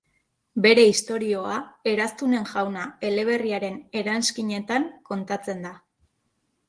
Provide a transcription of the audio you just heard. Bere istorioa, Eraztunen Jauna eleberriaren eranskinetan kontatzen da.